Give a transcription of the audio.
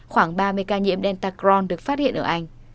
khoảng ba mươi ca nhiễm delta cron được phát hiện ở anh